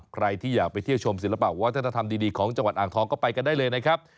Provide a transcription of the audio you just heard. ใครที่อยากไปเที่ยวชมศิลปะวัฒนธรรมดีของจังหวัดอ่างทองก็ไปกันได้เลยนะครับ